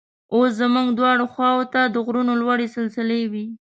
اوس زموږ دواړو خواو ته د غرونو لوړې سلسلې وې.